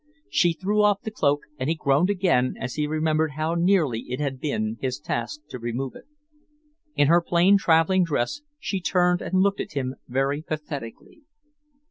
She threw off the cloak, and he groaned again as he remembered how nearly it had been his task to remove it. In her plain travelling dress, she turned and looked at him very pathetically.